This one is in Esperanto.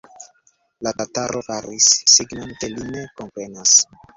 La tataro faris signon, ke li ne komprenas.